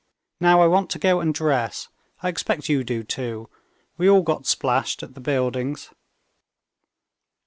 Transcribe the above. Now I want to go and dress. I expect you do too; we all got splashed at the buildings."